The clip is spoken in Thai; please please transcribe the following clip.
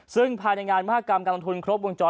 ซึ่งภายในงานมหากรรมการลงทุนครบวงจร